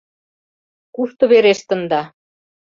Кушто верештында?